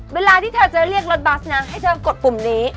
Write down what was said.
เวลาที่เธอจะเรียกรถบัสนะให้เธอกดปุ่มนี้